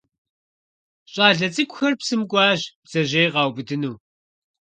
Щӏалэ цӏыкӏухэр псым кӏуащ бдзэжьей къаубыдыну.